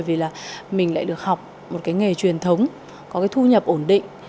vì là mình lại được học một cái nghề truyền thống có cái thu nhập ổn định